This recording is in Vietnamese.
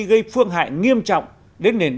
gây phương hại nghiêm trọng đến nền